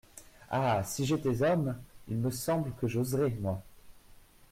Ah ! si j’étais homme, il me semble que j’oserais, moi !…